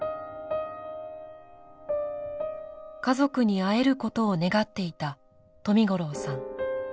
家族に会えることを願っていた冨五郎さん。